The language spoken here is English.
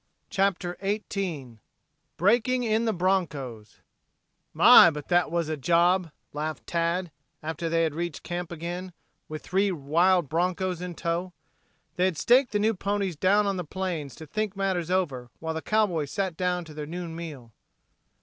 CHAPTER XVIII BREAKING IN THE BRONCHOS "My, but that was a job," laughed Tad, after they had reached camp again, with three wild bronchos in tow. They had staked the new ponies down on the plain to think matters over while the cowboys sat down to their noon meal.